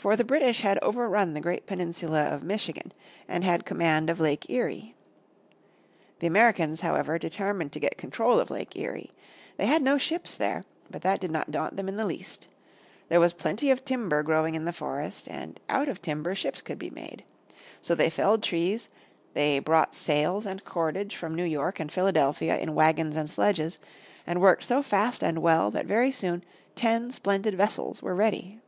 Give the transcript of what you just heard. For the British had over run the great peninsula of Michigan and had command of Lake Erie. The Americans, however, determined to get control of Lake Erie. They had no ships there. But that did not daunt them in the least. There was plenty of timber growing in the forest and out of timber ships could be made. So they felled trees, they brought sails and cordage from New York and Philadelphia in wagons and sledges, and worked so fast and well that very soon ten splendid vessels were ready.